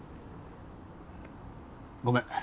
ごめん。